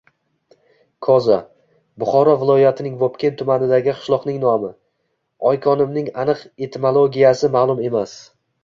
Koza – Buxoro viloyatining Vobkent tumanidagi qishloqning nomi. Oykonimning aniq etimologiyasi ma’lum emas.